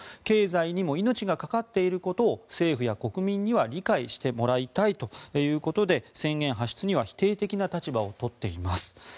経済にも命がかかっていることを政府や国民には理解してもらいたいということで宣言発出には否定的な立場を取っています。